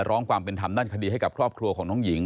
ร้องความเป็นธรรมด้านคดีให้กับครอบครัวของน้องหญิง